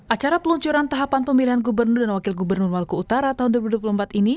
acara peluncuran tahapan pemilihan gubernur dan wakil gubernur maluku utara tahun dua ribu dua puluh empat ini